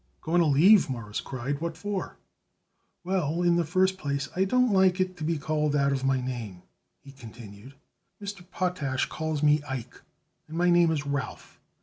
"Going to leave?" Morris cried. "What for?" "Well, in the first place, I don't like it to be called out of my name," he continued. "Mr. Potash calls me Ike, and my name is Ralph.